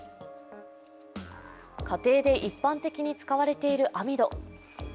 家庭で一般的に使われている網戸。